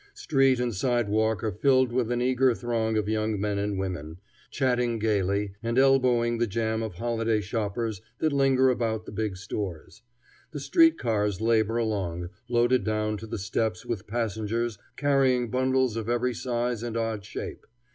Street and sidewalk are filled with an eager throng of young men and women, chatting gaily, and elbowing the jam of holiday shoppers that linger about the big stores. The street cars labor along, loaded down to the steps with passengers carrying bundles of every size and odd shape.